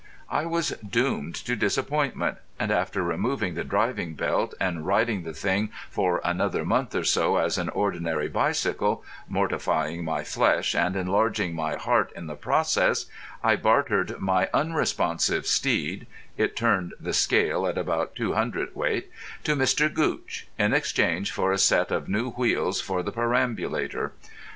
I was doomed to disappointment; and after removing the driving belt and riding the thing for another month or so as an ordinary bicycle, mortifying my flesh and enlarging my heart in the process, I bartered my unresponsive steed—it turned the scale at about two hundredweight—to Mr. Gootch, in exchange for a set of new wheels for the perambulator.